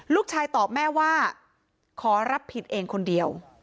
ลูกชายตอบแม่ว่าขอรับผิดเองคนเดียว